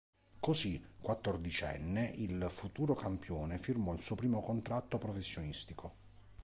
Così, quattordicenne, il futuro campione firmò il suo primo contratto professionistico.